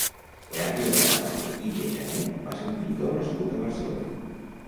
Erasme de Lasarte i de Janer va ser un pintor nascut a Barcelona.